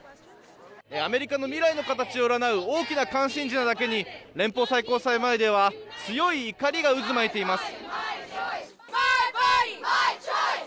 アメリカの未来の形を占う大きな関心事なだけに連邦最高裁前では強い怒りが渦巻いています。